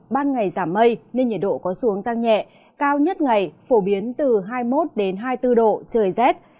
ban ngày giảm mây nên nhiệt độ có xuống tăng nhẹ cao nhất ngày phổ biến từ hai mươi một hai mươi bốn độ trời rét